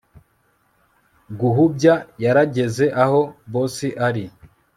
guhubya yarageze aho boss ari